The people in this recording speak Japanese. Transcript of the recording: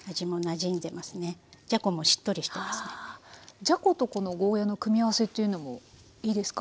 じゃことこのゴーヤーの組み合わせっていうのもいいですか。